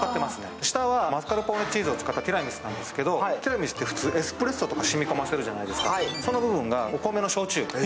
下はマスカルポーネチーズを使ったティラミスなんですけど、ティラミスって普通、エスプレッソとか染み込ませるじゃないですか、その部分がお米の焼酎。